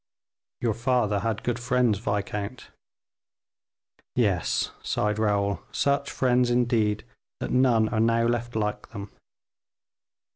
"Your father had good friends, viscount." "Yes," sighed Raoul, "such friends, indeed, that none are now left like them."